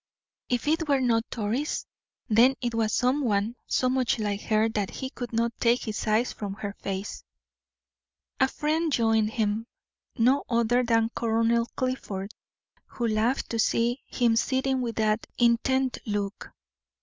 If it were not Doris, then it was some one so much like her that he could not take his eyes from her face. A friend joined him, no other than Colonel Clifford, who laughed to see him sitting with that intent look.